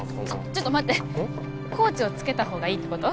ちょっと待ってコーチをつけた方がいいってこと？